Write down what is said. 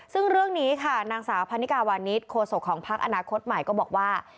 ซึ่งเรื่องนี้ค่ะนางสาวพันนิกาวานิสโคศกของพักอนาคตใหม่ก็บอกว่า